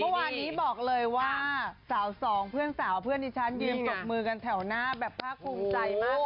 เมื่อวานนี้บอกเลยว่าสาวสองเพื่อนสาวเพื่อนที่ฉันยืนปรบมือกันแถวหน้าแบบภาคภูมิใจมาก